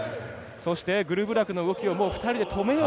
そしてグルブラクの動きを２人で止めよう。